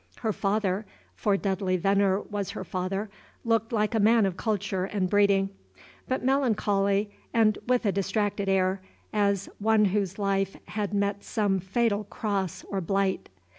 Her father for Dudley Venner was her father looked like a man of culture and breeding, but melancholy and with a distracted air, as one whose life had met some fatal cross or blight.